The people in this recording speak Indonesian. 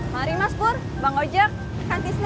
mari mas pur bang ojok kantisnya